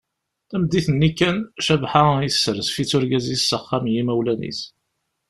Tameddit-nni kan, Cabḥa isserzef-itt urgaz-is s axxam n yimawlan-is.